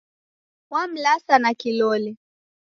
Wamlasa na kilole.